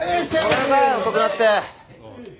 ごめんなさい遅くなって。